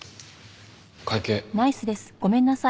会計。